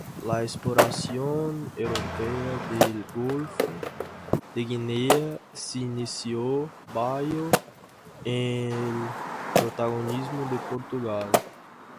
La exploración europea del golfo de Guinea se inició bajo el protagonismo de Portugal.